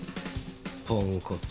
ポンコツ。